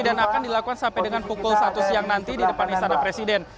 dan akan dilakukan sampai dengan pukul satu siang nanti di depan istana presiden